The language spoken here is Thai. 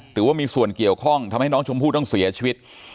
หรือว่ามีส่วนเกี่ยวข้องทำให้น้องชมพู่ต้องเสียชีวิต